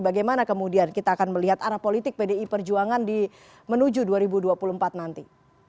bagaimana kemudian kita akan melihat arah politik pdi perjuangan menuju dua ribu dua puluh empat nanti